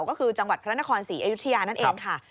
ก็คือจังหวัดพระนครศรีอยุธยานั่นเองค่ะ